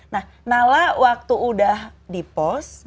nah nala waktu udah dipost